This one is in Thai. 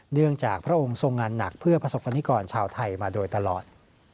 เนื่องจากพระองค์ทรงงานหนักเพื่อประสบกรณิกรชาวไทยมาโดยตลอด